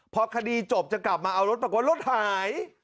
พอคดีจบจะกลับมาเอารถปรากฏว่ารถหาย